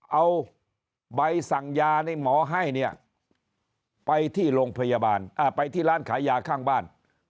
เอาใบสั่งยานี่หมอให้เนี่ยไปที่โรงพยาบาลไปที่ร้านขายยาข้างบ้าน